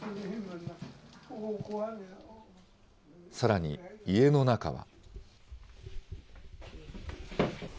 さらに、家の中は。